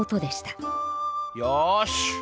よし！